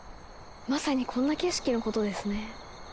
まさにこんな景色のことですね。